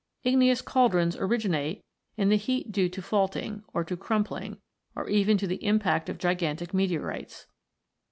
Igneous cauldrons originate in the heat due to faulting, or to crumpling, or even to the impact of gigantic meteorites.